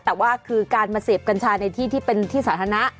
แต่ว่าคือการมาเสพกัญชาในที่ที่เป็นที่สาธารณะ